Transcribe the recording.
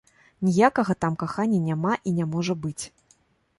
Ніякага там кахання няма і не можа быць.